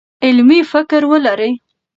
علمي فکر ولرئ.